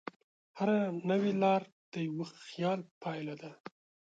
هره نوې لار د یوه خیال پایله ده.